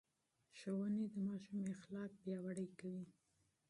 ښوونې د ماشوم اخلاق پياوړي کوي.